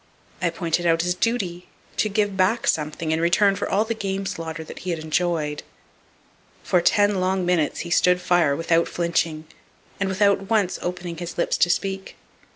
I pointed out his duty—to give back something in return for all the game slaughter that he had enjoyed. For ten long minutes he stood fire without flinching, and without once opening his lips to speak.